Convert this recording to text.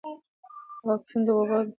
واکسن د وبا د څلورمې څپې د کمولو وسیله ده.